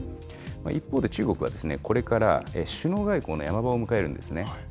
一方で、中国は、これから首脳外交のヤマ場を迎えるんですね。